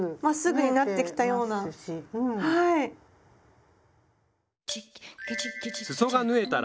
まっすぐになってきたようなはい。